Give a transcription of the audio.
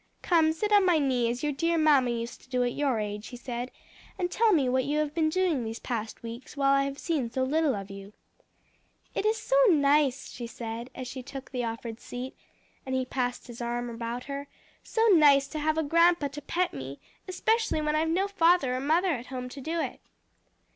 "Come, sit on my knee, as your dear mamma used to do at your age," he said, "and tell me what you have been doing these past weeks while I have seen so little of you." "It is so nice," she said as she took the offered seat, and he passed his arm about her, "so nice to have a grandpa to pet me; especially when I've no father or mother at home to do it."